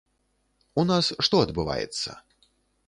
У нас што адбываецца?